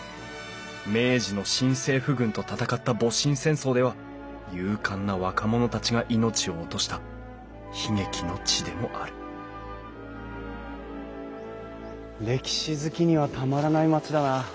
明治の新政府軍と戦った戊辰戦争では勇敢な若者たちが命を落とした悲劇の地でもある歴史好きにはたまらない町だな。